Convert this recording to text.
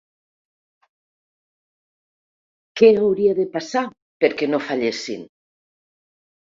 Què hauria de passar perquè no fallessin?